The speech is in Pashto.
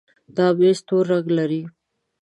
دا ميز تور رنګ لري.